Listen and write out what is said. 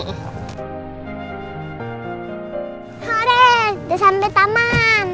oren udah sampai taman